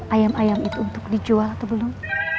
ayam ayam itu untuk dijual atau belum